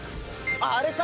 「あれか！